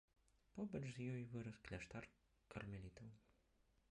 Побач з ёй вырас кляштар кармелітаў.